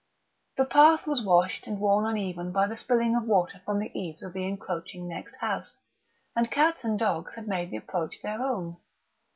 The path was washed and worn uneven by the spilling of water from the eaves of the encroaching next house, and cats and dogs had made the approach their own.